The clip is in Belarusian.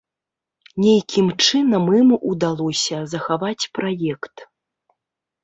Нейкім чынам ім удалося захаваць праект.